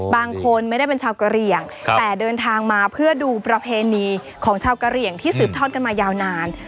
บางคนไม่ได้เป็นชาวกะเหลี่ยงแต่เดินทางมาเพื่อดูประเพณีของชาวกะเหลี่ยงที่สืบทอดกันมายาวนาน